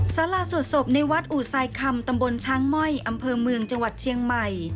สาราสวดศพในวัดอู่สายคำตำบลช้างม่อยอำเภอเมืองจังหวัดเชียงใหม่